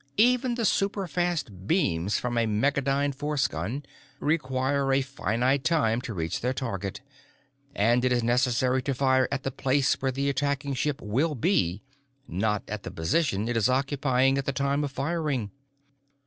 Even the superfast beams from a megadyne force gun require a finite time to reach their target, and it is necessary to fire at the place where the attacking ship will be, not at the position it is occupying at the time of firing.